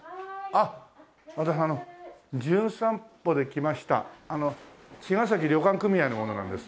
あっ私『じゅん散歩』で来ました茅ヶ崎旅館組合の者なんです。